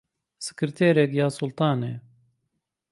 سکرتێرێک... یا سوڵتانێ